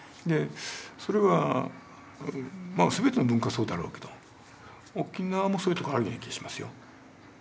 それは全ての文化がそうだろうけど沖縄もそういうとこあるような気がしますよ。